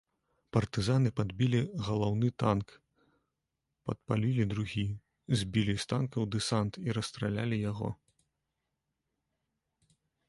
Партызаны падбілі галаўны танк, падпалілі другі, збілі з танкаў дэсант і расстралялі яго.